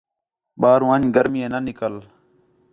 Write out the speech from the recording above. بار ون٘ڄ گرمی ہے نہ نکلے